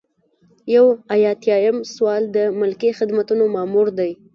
یو ایاتیام سوال د ملکي خدمتونو مامور دی.